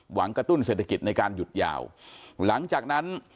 กระตุ้นเศรษฐกิจในการหยุดยาวหลังจากนั้น